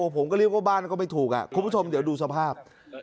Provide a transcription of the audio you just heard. ผมก็เรียกว่าบ้านก็ไม่ถูกคุณผู้ชมเดี๋ยวดูสภาพ